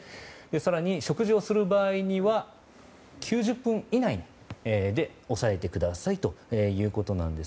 更に、食事をする場合には９０分以内で抑えてくださいということです。